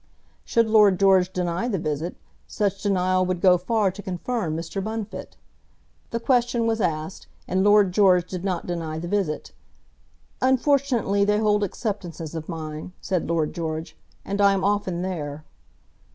Should Lord George deny the visit, such denial would go far to confirm Mr. Bunfit. The question was asked, and Lord George did not deny the visit. "Unfortunately, they hold acceptances of mine," said Lord George, "and I am often there."